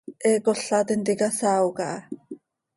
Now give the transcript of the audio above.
He cola tintica saao caha.